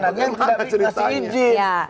yang tidak dikasih izin